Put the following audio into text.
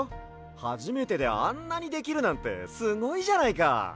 はじめてであんなにできるなんてすごいじゃないか！